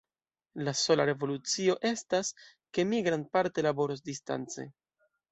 La sola revolucio estas, ke mi grandparte laboros distance.